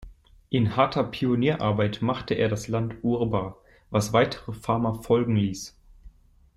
In harter Pionierarbeit machte er das Land urbar, was weitere Farmer folgen ließ.